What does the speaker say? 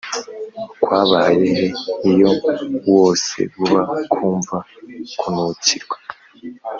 kwabaye he iyo wose uba kumva kunukirwa